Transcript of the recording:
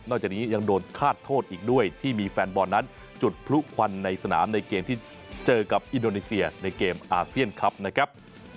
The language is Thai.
จากนี้ยังโดนฆาตโทษอีกด้วยที่มีแฟนบอลนั้นจุดพลุควันในสนามในเกมที่เจอกับอินโดนีเซียในเกมอาเซียนคลับนะครับ